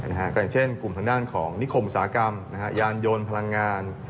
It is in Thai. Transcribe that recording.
อย่างเช่นกลุ่มทางด้านของนิคมอุตสาหกรรมยานยนต์พลังงาน